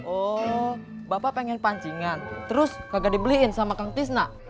oh bapak pengen pancingan terus kagak dibeliin sama kang tisna